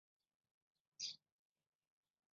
یو انساني ناورین دی